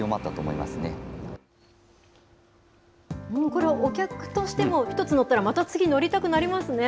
これ、お客としても、１つ乗ったらまた次乗りたくなりますね。